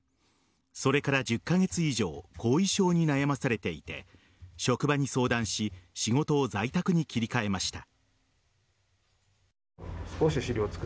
それから１０カ月以上後遺症に悩まされていて職場に相談し仕事を在宅に切り替えました。